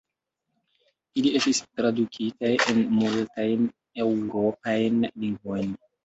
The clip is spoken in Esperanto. Ili estis tradukitaj en multajn eŭropajn lingvojn.